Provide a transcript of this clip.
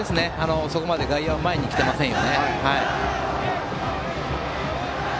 そこまで外野は前に来てませんね。